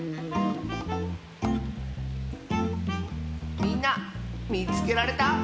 みんなみつけられた？